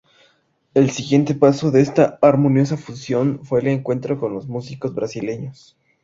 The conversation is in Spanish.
El siguiente paso de esta armoniosa fusión fue el encuentro con los músicos brasileños.